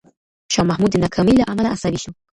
شاه محمود د ناکامۍ له امله عصبي شو.